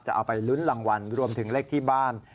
เอาไปลุ้นรางวัลรวมถึงเลขที่บ้าน